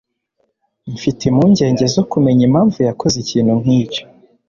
Mfite impungenge zo kumenya impamvu yakoze ikintu nkicyo.